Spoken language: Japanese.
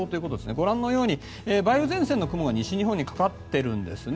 ご覧のように梅雨前線の雲が西日本にかかっているんですね。